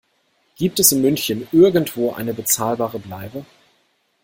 Gibt es in München irgendwo eine bezahlbare Bleibe?